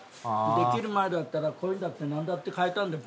できる前だったらこういうのだってなんだって買えたんだよ。